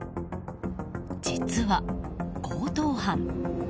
実は、強盗犯。